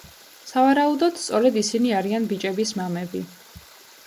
სავარაუდოდ, სწორედ ისინი არიან ბიჭების მამები.